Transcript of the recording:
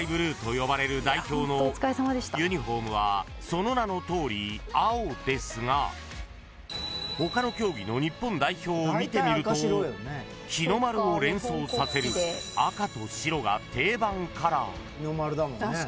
呼ばれる代表のユニホームはその名のとおり青ですが他の競技の日本代表を見てみると日の丸を連想させる赤と白が定番カラー］